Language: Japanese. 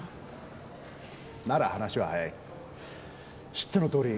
知ってのとおり